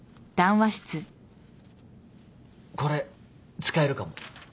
これ使えるかも。